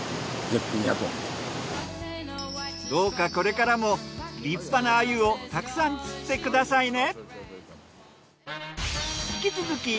どうかこれからも立派な鮎をたくさん釣ってくださいね。